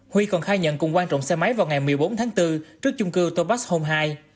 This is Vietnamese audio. huy còn khai nhận cùng quan trọng xe máy vào ngày một mươi bốn tháng bốn trước chung cư topax home hai